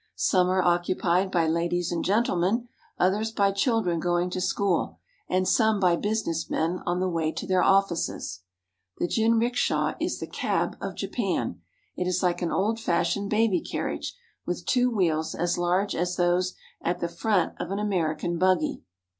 Some are occupied by ladies and gentlemen, others by children going to school, and some by business men on the way to their offices. The jinrikisha is the cab of Japan. It is like an old fash ioned baby, carriage with two wheels as large as those at "— other jinrikishas dart by us —" YOKOHAMA 33 the front of an American buggy.